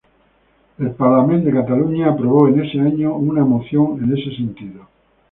El Parlament de Cataluña aprobó en ese año una moción en ese sentido.